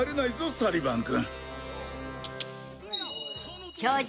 サリバン君。